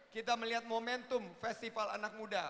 kita melihat momentum festival anak muda